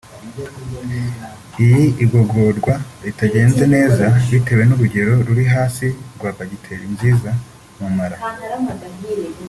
Iyo igogorwa ritagenda neza bitewe n’urugero ruri hasi rwa bagiteri nziza mu mara